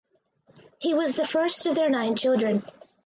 He was the first of their nine children.